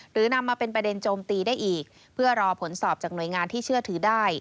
นำมาเป็นประเด็นโจมตีได้อีกเพื่อรอผลสอบจากหน่วยงานที่เชื่อถือได้